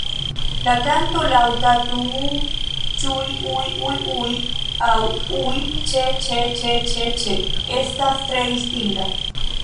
La kanto, laŭta "tuuuu-ĉŭiŭiŭiŭi" aŭ "ŭi-ĉeĉeĉeĉeĉe", estas tre distinga.